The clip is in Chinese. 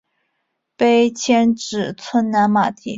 碑迁址村南马地。